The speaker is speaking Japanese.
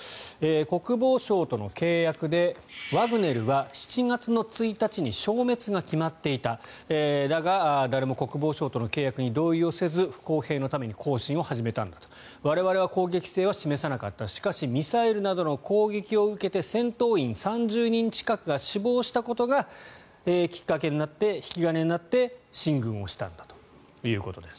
国防省との契約でワグネルは７月の１日に消滅が決まっていただが、誰も国防省との契約に同意せず不公平のために行進を始めたんだと我々は攻撃性は示さなかったしかしミサイルなどの攻撃を受けて戦闘員３０人近くが死亡したことがきっかけになって引き金になって進軍をしたんだということです。